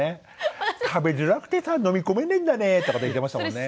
「食べづらくてさ飲み込めねんだね」とかって言ってましたもんね。